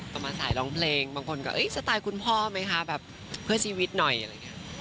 ประมาณสายร้องเพลงบางคนก็สไตล์คุณพ่อไหมคะแบบเพื่อชีวิตหน่อยอะไรอย่างนี้